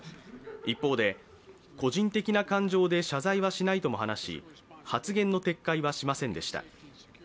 一方で、個人的な感情で謝罪はしないとも話し、発言の撤回はしませんでした。